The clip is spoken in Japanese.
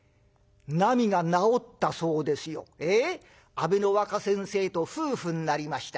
阿部の若先生と夫婦になりました。